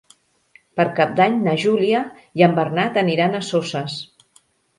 Per Cap d'Any na Júlia i en Bernat aniran a Soses.